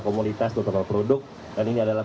komunitas beberapa produk dan ini adalah